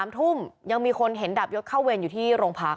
๓ทุ่มยังมีคนเห็นดาบยศเข้าเวรอยู่ที่โรงพัก